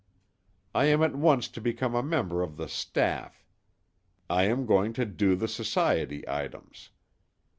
I am at once to become a member of the staff. I am going to "do" the society items.